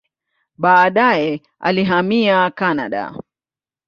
Baadaye alihamia Kanada.